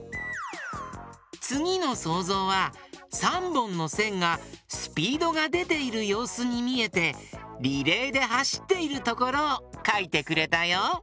つぎのそうぞうは３ぼんのせんがスピードがでているようすにみえてリレーではしっているところをかいてくれたよ。